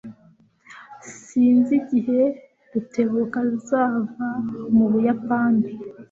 Sinzi igihe Rutebuka azava mu Buyapani.